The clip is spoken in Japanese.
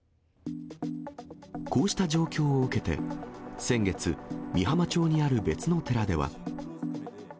こうした状況を受けて、先月、美浜町にある別の寺では。